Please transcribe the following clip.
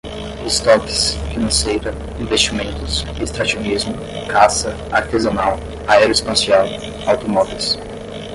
estoques, financeira, investimentos, extrativismo, caça, artesanal, aeroespacial, automóveis